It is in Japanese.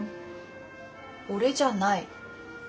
俺じゃない。